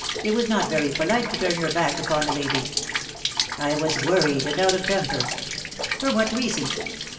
It was not very polite to turn your back upon a lady." " I was worried, and out of temper." " For what reason ?"